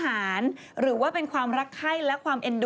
แล้วเอามาให้หมากิน